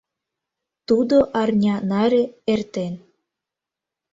Тудо арня наре эртен.